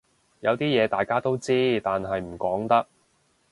有啲嘢大家都知但係唔講得